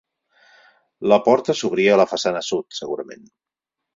La porta s'obria a la façana sud segurament.